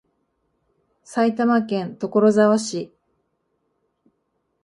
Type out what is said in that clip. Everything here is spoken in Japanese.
埼玉県所沢市